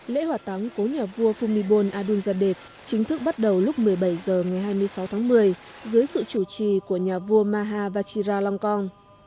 lễ hỏa táng cố nhà vua phumifol adun zadet chính thức bắt đầu lúc một mươi bảy h ngày hai mươi sáu tháng một mươi dưới sự chủ trì của nhà vua maha vachira long kong